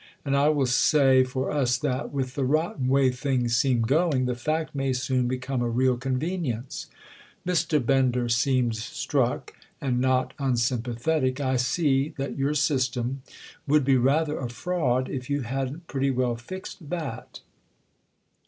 And I will say for us that, with the rotten way things seem going, the fact may soon become a real convenience." Mr. Bender seemed struck—and not unsympathetic. "I see that your system would be rather a fraud if you hadn't pretty well fixed that!"